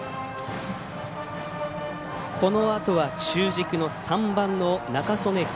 このあとは中軸の３番の仲宗根皐。